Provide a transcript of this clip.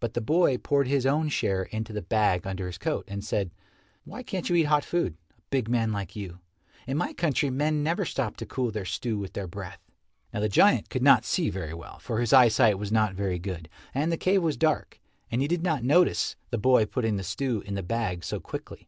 But the boy poured his own share into the bag under his coat, and said, "Why can't you eat hot food a big man like you? In my country men never stop to cool their stew with their breath." Now the giant could not see very well, for his eyesight was not very good, and the cave was dark, and he did not notice the boy putting the stew in the bag so quickly.